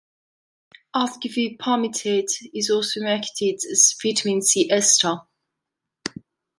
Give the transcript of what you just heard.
Ascorbyl palmitate is also marketed as "vitamin C ester".